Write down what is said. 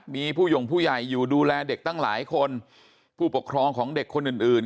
มีผู้หย่งผู้ใหญ่อยู่ดูแลเด็กตั้งหลายคนผู้ปกครองของเด็กคนอื่นอื่น